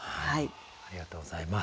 ありがとうございます。